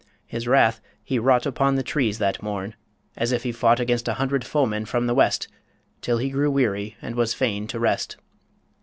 His wrath he wrought Upon the trees that morn, as if he fought Against a hundred foemen from the west, Till he grew weary, and was fain to rest.